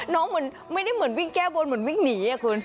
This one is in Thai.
เหมือนไม่ได้เหมือนวิ่งแก้บนเหมือนวิ่งหนีคุณ